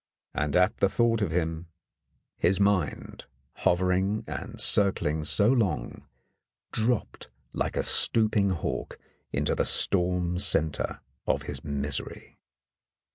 And at the thought of him, his mind, "3 In the Dark hovering and circling so long, dropped like a stoop ing hawk into the storm centre of his misery.